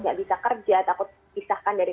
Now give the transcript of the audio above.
nggak bisa kerja takut pisahkan dari